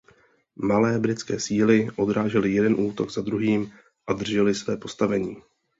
Malé britské síly odrážely jeden útok za druhým a držely své postavení.